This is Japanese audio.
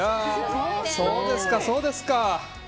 そうですか、そうですか。